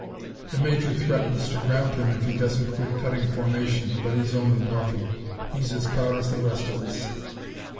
The Major threatens to ground him if he doesn't quit cutting formation, but he's only bluffing. He's as proud as the rest of us."